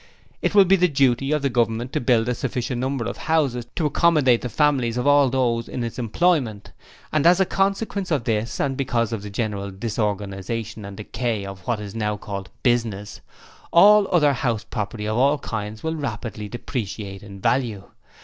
It will be the duty of the Government to build a sufficient number of houses to accommodate the families of all those in its employment, and as a consequence of this and because of the general disorganization and decay of what is now called "business", all other house property of all kinds will rapidly depreciate in value.